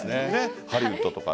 ハリウッドとか。